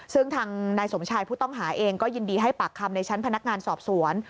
ซึ่งทางนายสมชายผู้ต้องหาเองก็ยินดีให้ปากคำในชั้นพนักงานสอบสวน